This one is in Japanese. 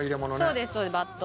そうですそうですバット。